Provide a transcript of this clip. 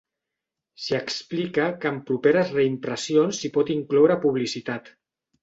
S'hi explica que en properes reimpressions s'hi pot incloure publicitat.